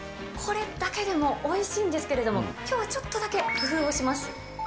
これだけでもおいしいんですけれども、きょうはちょっとだけ工夫をします。